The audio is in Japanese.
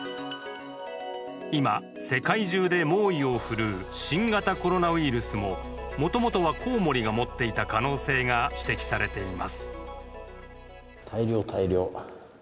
今、世界中で猛威を振るう新型コロナウイルスももともとはコウモリが持っていた可能性が指摘されています